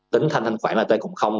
tính thanh khoản là tên cũng không